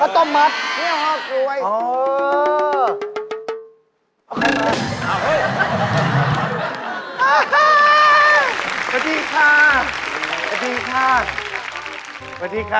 สำหรับคนเดี่ยว๒เมตรน่ะ